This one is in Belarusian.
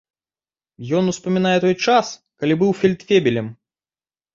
Ён успамінае той час, калі быў фельдфебелем.